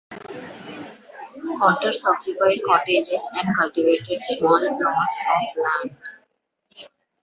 Cotters occupied cottages and cultivated small plots of land.